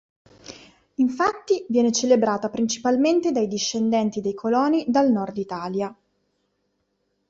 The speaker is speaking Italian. Infatti viene celebrata principalmente dai discendenti dei coloni dal nord Italia.